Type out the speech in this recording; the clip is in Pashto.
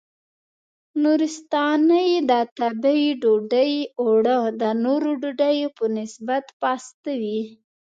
نورستانۍ د تبۍ ډوډۍ اوړه د نورو ډوډیو په نسبت پاسته وي.